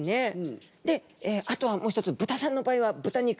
であとはもう一つ豚さんの場合は豚肉。